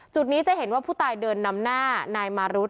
จุดนี้จะเห็นว่าผู้ตายเดินนำหน้านายมารุธ